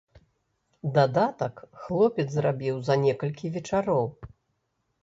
Дадатак хлопец зрабіў за некалькі вечароў.